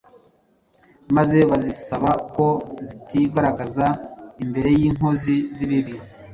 maze bazisaba ko zitigaragaza imbere y’inkozi z’ibibi